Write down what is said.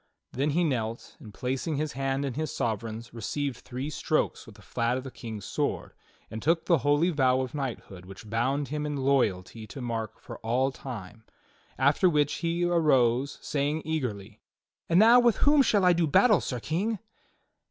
Then he knelt and placing his hand in his sovereign's received three strokes with the flat of the King's sword, and took the holy vow of knighthood which bound him in loyalty to Mark for all time; after which he arose saying eagerly: "And now with whom shall I do battle. Sir King?"